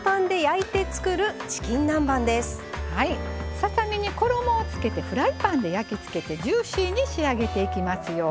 ささ身に衣をつけてフライパンで焼き付けてジューシーに仕上げていきますよ。